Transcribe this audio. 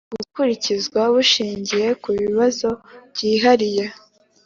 Gukurikizwa, bushingiye ku bibazo byihariye